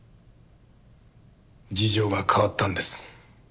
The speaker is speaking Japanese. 事情が変わったんです。